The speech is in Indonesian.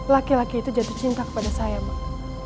laki laki itu jatuh cinta kepada saya mbak